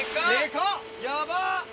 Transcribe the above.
やばっ。